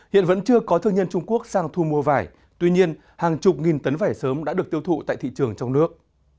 hiện vẫn chưa có thương nhân trung quốc sang thu mua vải tuy nhiên hàng chục nghìn tấn vải sớm đã được tiêu thụ tại thị trường trong nước